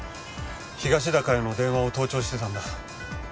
東田加代の電話を盗聴してたんだ。